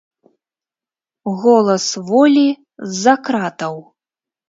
Голас волі з-за кратаў.